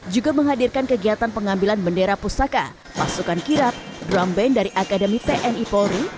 juga menghadirkan kegiatan pengambilan bendera pusaka pasukan kirap drum band dari akademi tni polri